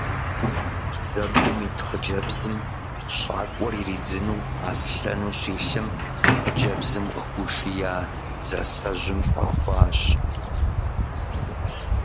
Жьэгум ит хъыджэбзым щӏакӏуэр иридзыну аслъэну щилъым, хъыджэбзым къыхуишия дзасэжьым фӏэхуащ.